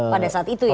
pada saat itu ya